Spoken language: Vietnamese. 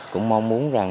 cũng mong muốn rằng